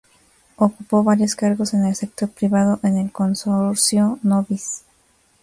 Ocupó varios cargos en el sector privado en el Consorcio Nobis.